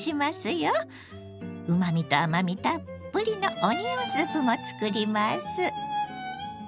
うまみと甘みたっぷりのオニオンスープも作ります。